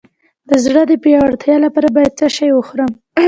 د زړه د پیاوړتیا لپاره باید څه شی وخورم؟